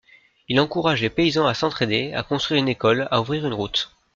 Il encourage les paysans à s'entraider, à construire une école, à ouvrir une route.